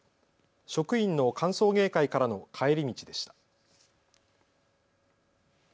職員の歓送迎会からの帰り道でした。